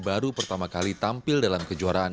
baru pertama kali tampil dalam kejuaraan